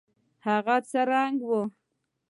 هغه څه رنګه وه.